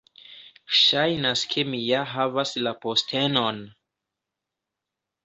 Ŝajnas ke mi ja havas la postenon!